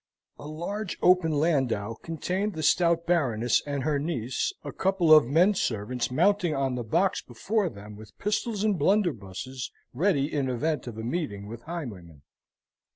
A large open landau contained the stout Baroness and her niece; a couple of men servants mounting on the box before them with pistols and blunderbusses ready in event of a meeting with highwaymen.